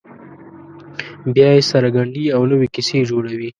بیا یې سره ګنډي او نوې کیسې جوړوي.